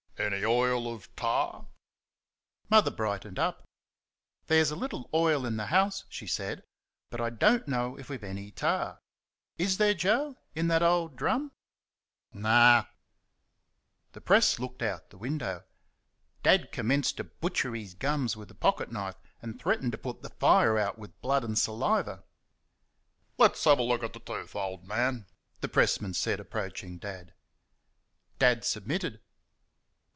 "Any oil of tar?" Mother brightened up. "There's a little oil in the house," she said, "but I don't know if we've any tar. Is there, Joe in that old drum?" "Nurh." The Press looked out the window. Dad commenced to butcher his gums with the pocket knife, and threatened to put the fire out with blood and saliva. "Let's have a look at the tooth, old man," the pressman said, approaching Dad. Dad submitted.